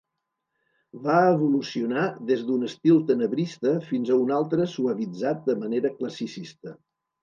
Va evolucionar des d'un estil tenebrista fins a un altre suavitzat de manera classicista.